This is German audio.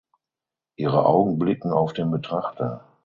Ihre Augen blicken auf den Betrachter.